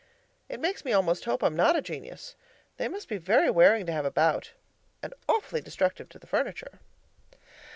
It makes me almost hope I'm not a genius; they must be very wearing to have about and awfully destructive to the furniture.